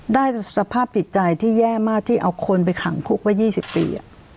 ได้สภาพจิตใจที่แย่มากที่เอาคนไปขังคุกไว้๒๐ปี